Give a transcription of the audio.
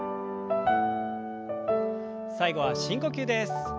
最後は深呼吸です。